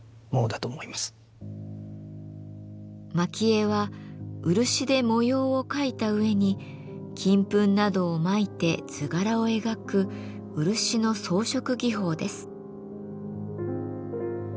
蒔絵は漆で模様を描いた上に金粉などを蒔いて図柄を描く漆の装飾技法です。